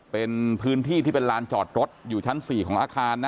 เป็นพื้นที่ที่เป็นลานจอดรถอยู่ชั้น๔ของอาคารนะ